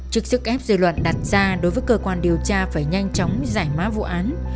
trước sức ép dư luận đặt ra đối với cơ quan điều tra phải nhanh chóng giải mã vụ án